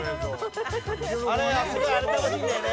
あれすごいあれ楽しいんだよね。